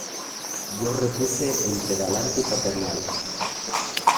yo repuse entre galante y paternal: